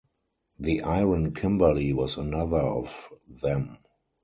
The Iron Kimberley was another of them.